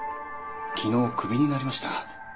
昨日クビになりました。